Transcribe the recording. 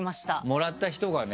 もらった人がね。